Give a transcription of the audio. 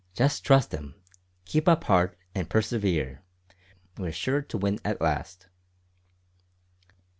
"Just trust Him, keep up heart, and persevere; we're sure to win at last."